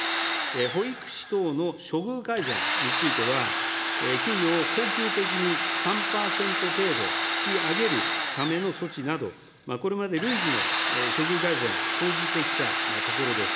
保育士等の処遇改善については、給与を恒久的に３％程度引き上げるための措置など、これまで累次の処遇改善、講じてきたところです。